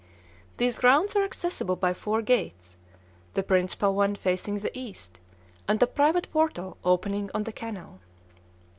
These grounds were accessible by four gates, the principal one facing the east, and a private portal opening on the canal.